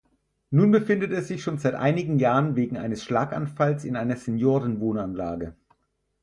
Nun befindet er sich schon seit einigen Jahren wegen eines Schlaganfalls in einer Seniorenwohnanlage.